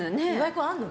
君あんの？